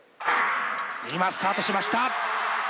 今スタートしました！